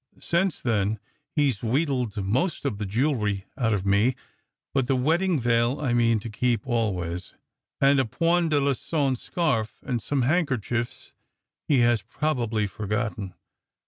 Since then he s wheedled most of the jewellery out of me, but the wedding veil I mean to keep always, and a Point d Alengon scarf and some handkerchiefs he has probably forgotten.